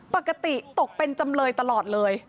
ปกติตกเป็นจำเลยตลอดเลย